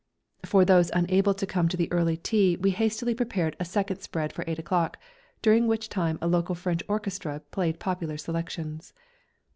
For those unable to come to the early tea we hastily prepared a second spread for eight o'clock, during which time a local French orchestra played popular selections.